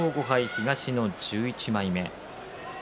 東の１１枚目。